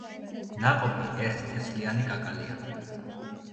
ნაყოფი ერთთესლიანი კაკალია.